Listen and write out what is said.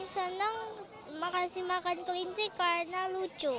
saya senang makan kelinci